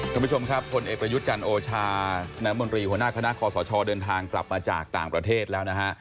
คุณผู้ชมครับพลเอกประยุทธ์จันทร์โอชาน้ำมนตรีหัวหน้าคณะคอสชเดินทางกลับมาจากต่างประเทศแล้วนะฮะ